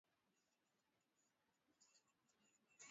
Sauli kutazama akapiga magoti akatoa machozi.